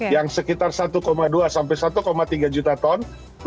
yang sekitar satu dua sampai satu tiga juta ton